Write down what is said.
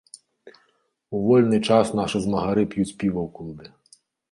У вольны час нашы змагары п'юць піва ў клубе.